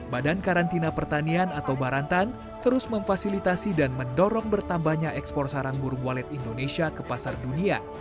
badan karantina pertanian atau barantan terus memfasilitasi dan mendorong bertambahnya ekspor sarang burung walet indonesia ke pasar dunia